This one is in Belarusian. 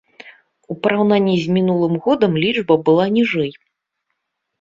У параўнанні з мінулым годам лічба была ніжэй.